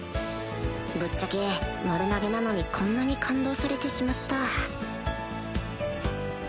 ぶっちゃけ丸投げなのにこんなに感動されてしまった